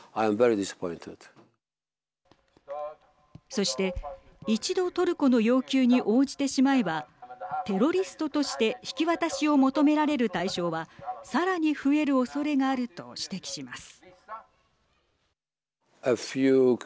そして、一度トルコの要求に応じてしまえばテロリストとして引き渡しを求められる対象はさらに増えるおそれがあると指摘します。